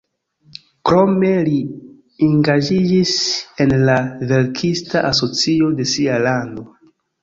Krome li engaĝiĝis en la verkista asocio de sia lando.